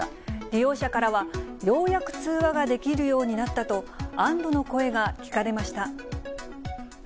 利用者からは、ようやく通話ができるようになったと、安どの声が聞かれました。